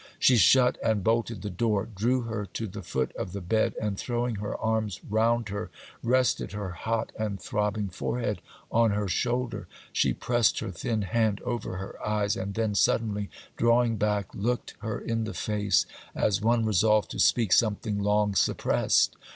She shut and bolted the door, drew her to the foot of the bed, and, throwing her arms round her, rested her hot and throbbing forehead on her shoulder. She pressed her thin hand over her eyes, and then, suddenly drawing back, looked her in the face as one resolved to speak something long suppressed.